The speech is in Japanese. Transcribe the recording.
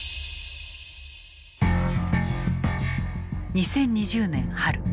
２０２０年春。